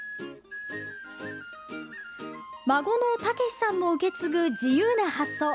孫の武史さんも受け継ぐ自由な発想。